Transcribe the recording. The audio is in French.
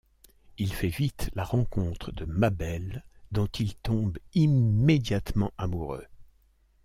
Il fait vite la rencontre de Mabel dont il tombe immédiatement amoureux.